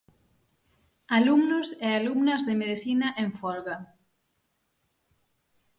Alumnos e alumnas de Medicina en folga.